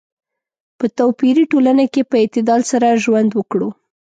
په توپیري ټولنه کې په اعتدال سره ژوند وکړو.